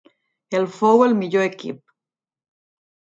El fou el millor equip.